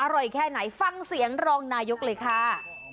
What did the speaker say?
อร่อยแค่ไหนฟังเสียงรองนายกเลยค่ะ